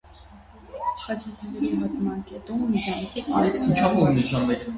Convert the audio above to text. Խաչաթևերի հատման կետում միջանցիկ անցք է արված։